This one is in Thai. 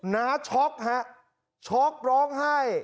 น้าช็อกฮะช็อกร้องไห้